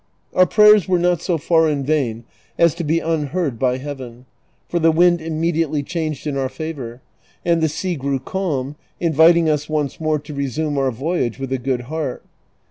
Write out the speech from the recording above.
Our prayers were not so far in vain as to be unheard by Heaven, for the wind immediately changed in our favor, and the sea grew calm, inviting us once more to resume our voyage with a good heart.